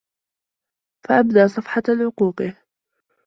فَأَبْدَى صَفْحَةَ عُقُوقِهِ